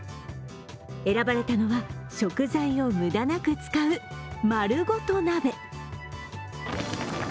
選ばれたのは食材を無駄なく使う、まるごと鍋。